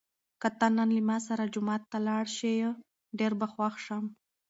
که ته نن له ما سره جومات ته لاړ شې، ډېر به خوښ شم.